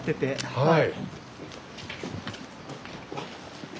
はい。